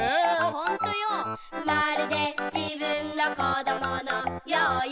「ほんとよ、まるで自分の小どものようよ」